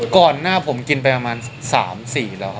ก่อนหน้าผมกินไปประมาณ๓๔แล้วครับ